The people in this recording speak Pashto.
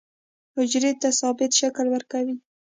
حجرې ته ثابت شکل ورکوي.